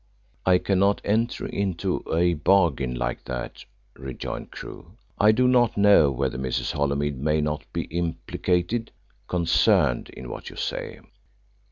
"I cannot enter into a bargain like that," rejoined Crewe. "I do not know whether Mrs. Holymead may not be implicated concerned in what you say."